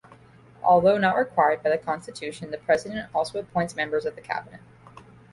Although not required by the Constitution, the President also appoints members of the cabinet.